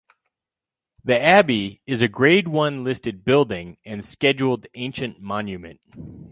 The abbey is a Grade One listed building and Scheduled Ancient Monument.